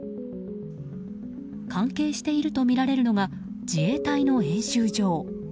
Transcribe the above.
関係しているとみられるのが自衛隊の演習場。